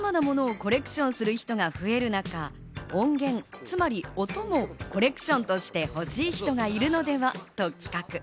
コレクションする人が増える中、音源、つまり音もコレクションとして欲しい人がいるのではと企画。